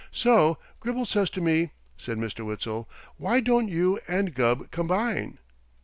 "So Gribble says to me," said Mr. Witzel, "'Why don't you and Gubb combine?'